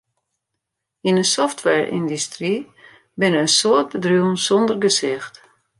Yn 'e softwareyndustry binne in soad bedriuwen sonder gesicht.